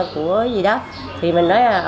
của gì đó thì mình nói